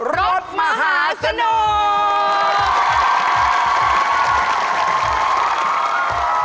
รถมหาสนุก